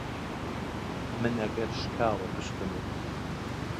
من ئەگەر شکاوە پشتم